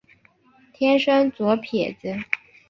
天生左撇子。